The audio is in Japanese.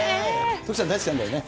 徳ちゃん、大好きなんだよね。